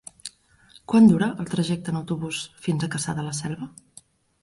Quant dura el trajecte en autobús fins a Cassà de la Selva?